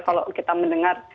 kalau kita mendengar